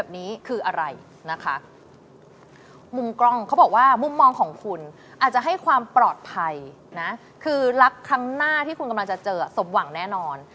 ที่คุณกำลังจะเจอสมหวังแน่นอน